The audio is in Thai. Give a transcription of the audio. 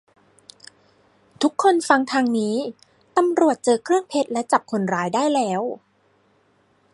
ทุกคนฟังทางนี้ ตำรวจเจอเครื่องเพชรและจับคนร้ายได้แล้ว